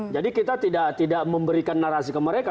jadi kita tidak memberikan narasi ke mereka